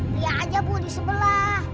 lihat aja bu di sebelah